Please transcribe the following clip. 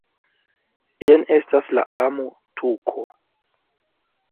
Jen estas la amo-tuko